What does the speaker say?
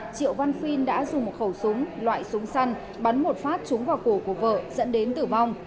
triệu văn phiên đã dùng một khẩu súng loại súng săn bắn một phát trúng vào cổ của vợ dẫn đến tử vong